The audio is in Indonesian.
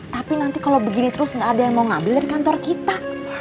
tapi nanti kalau begini terus gak ada yang mau ngambilin kantor kita